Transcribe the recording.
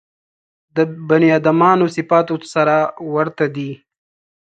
د بني ادمانو صفاتو سره ورته دي.